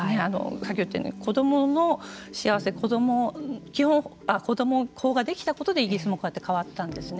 先ほど言ったように子どもの幸せ子ども法ができたことによってイギリスもこうやって変わったんですね。